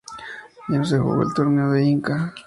Ya no se jugó el Torneo del Inca.